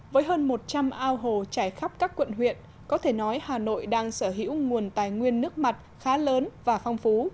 với hơn một trăm linh ao hồ trải khắp các quận huyện có thể nói hà nội đang sở hữu nguồn tài nguyên nước mặt khá lớn và phong phú